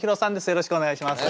よろしくお願いします。